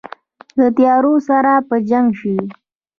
د تیارو سره په جنګ شي